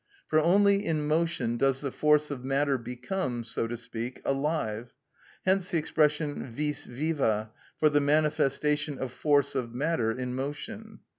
For only in motion does the force of matter become, so to speak, alive; hence the expression vis viva for the manifestation of force of matter in motion.